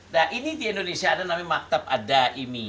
nah ini di indonesia ada namanya maktab adaimi